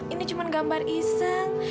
ini cuma gambar iseng